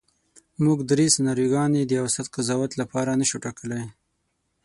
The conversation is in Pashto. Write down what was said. موږ درې سناریوګانې د اوسط قضاوت لپاره نشو ټاکلی.